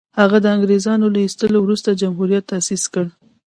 هغه د انګرېزانو له ایستلو وروسته جمهوریت تاءسیس کړي.